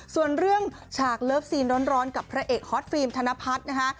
ส่วนเรื่องฉากเลิฟซีนร้อนกับพระเอกฮอตฟิล์มธนพัฒน์นะคะ